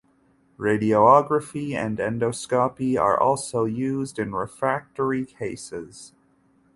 Radiography and endoscopy are also used in refractory cases.